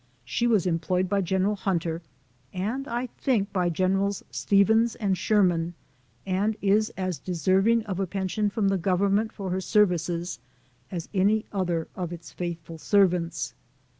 She was employed by General Hunter, and I think by Generals Stevens and Sherman, and is as deservino O of a pension from the Government for her services as any other of its faithful servants.